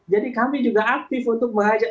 jadi kami juga aktif untuk mengajak